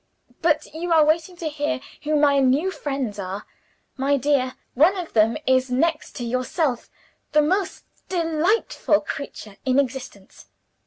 "But you are waiting to hear who my new friends are. My dear, one of them is, next to yourself, the most delightful creature in existence.